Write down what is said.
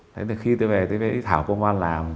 thế thì khi tôi về tôi đi thảo công văn làm